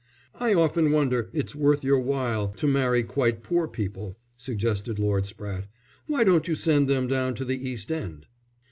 "I often wonder it's worth your while to marry quite poor people," suggested Lord Spratte. "Why don't you send them down to the East End?"